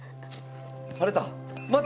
晴れた！